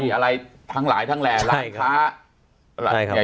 อะไรทั้งหลายทั้งแหล่ร้านค้า